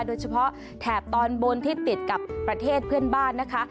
แถบตอนบนที่ติดกับประเทศเพื่อนบ้านนะคะ